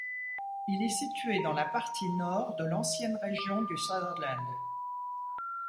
Il est situé dans la partie nord de l'ancienne région du Sutherland.